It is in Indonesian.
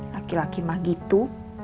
laki laki mah gitu